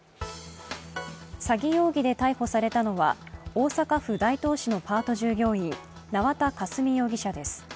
詐欺容疑で逮捕されたのは、大阪府大東市のパート従業員縄田佳純容疑者です。